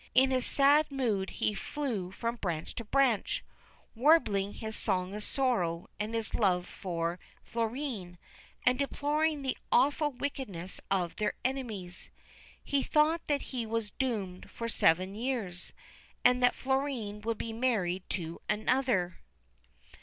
In his sad mood he flew from branch to branch, warbling his song of sorrow and his love for Florine, and deploring the awful wickedness of their enemies. He thought that he was doomed for seven years, and that Florine would be married to another.